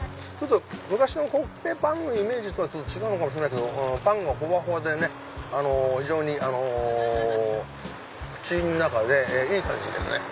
昔のコッペパンのイメージとは違うのかもしれないけどパンがほわほわでね非常に口の中でいい感じですね。